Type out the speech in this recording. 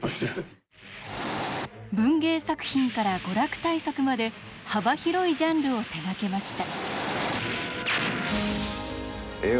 文芸作品から娯楽大作まで幅広いジャンルを手がけました。